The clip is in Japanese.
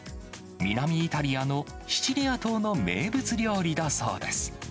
南イタリアのシチリア島の名物料理だそうです。